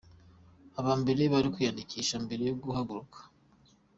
Aba mbere bari kwiyandikisha mbere yo guhaguruka.